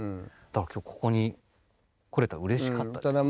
だから今日ここに来れたのうれしかったですよ。